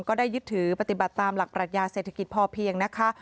ก็ได้ยึดถือปฏิบัติตามหลักปรัชญาเศรษฐกิจพอเพียงนะคะ